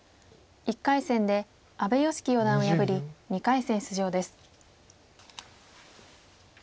１回戦で阿部良希四段を破り２回戦出場です。